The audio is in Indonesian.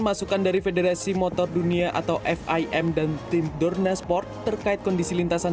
masukan dari federasi motor dunia atau fim dan tim dorna sport terkait kondisi lintasan